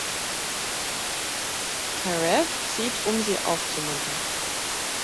Carew, zieht, um sie aufzumuntern.